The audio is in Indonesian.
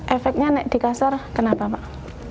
efeknya nek dikasar kenapa pak